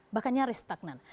bahkan nyaris stagnan